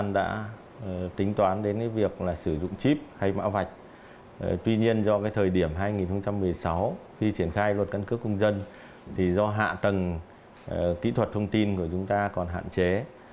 điểm hai nghìn một mươi sáu khi triển khai luật căn cước công dân thì do hạ tầng kỹ thuật thông tin của chúng ta còn hạn chế